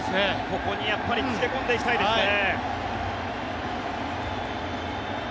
ここに付け込んでいきたいですね。